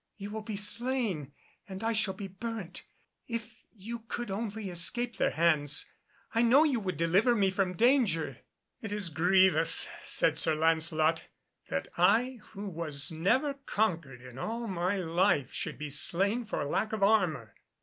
You will be slain and I shall be burnt. If you could only escape their hands, I know you would deliver me from danger." "It is grievous," said Sir Lancelot, "that I who was never conquered in all my life should be slain for lack of armour."